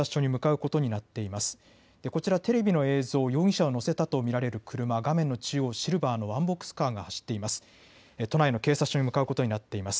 こちらテレビの映像、容疑者を乗せたと見られる車画面の中央、シルバーのワンボックスカーが走っています。